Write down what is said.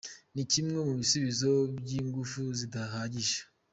Ni kimwe mu bisubizo by’ingufu zidahagije”.